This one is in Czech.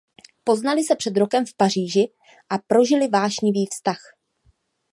Poznali se před rokem v Paříži a prožili vášnivý vztah.